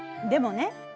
でもね